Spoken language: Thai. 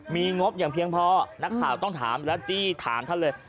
มีงบอย่างเพียงพอนักข่าวต้องถามแล้วจี้ถามท่านเลย